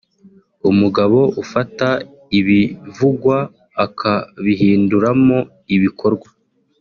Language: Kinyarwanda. umugabo ufata ibivugwa akabihinduramo ibikorwa